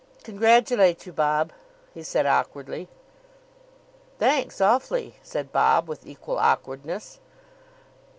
"Congratulate you, Bob," he said awkwardly. "Thanks awfully," said Bob, with equal awkwardness.